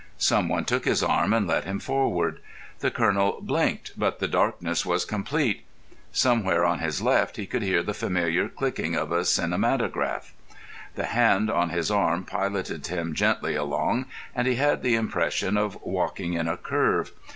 Someone took his arm and led him forward. The Colonel blinked, but the darkness was complete. Somewhere on his left he could hear the familiar clicking of a cinematograph. The hand on his arm piloted him gently along, and he had the impression of walking in a curve.